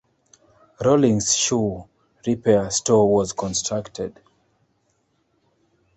Rawlings shoe repair store was constructed.